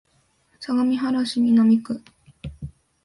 相模原市南区